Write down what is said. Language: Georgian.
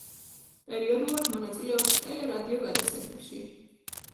პერიოდულად მონაწილეობს ტელე-რადიო გადაცემებში.